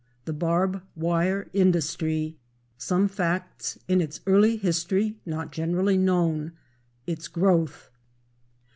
The Barb Wire Industry—Some Facts in its Early History not Generally Known—Its Growth.